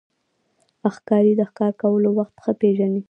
ښکاري د ښکار کولو وخت ښه پېژني.